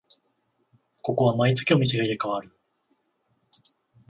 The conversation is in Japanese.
ここは毎月お店が入れ替わる